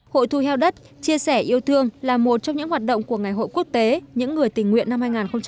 hội thu heo đất chia sẻ yêu thương là một trong những hoạt động của ngày hội quốc tế những người tình nguyện năm hai nghìn một mươi chín